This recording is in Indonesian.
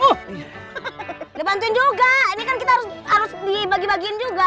udah bantuin juga ini kan kita harus dibagi bagiin juga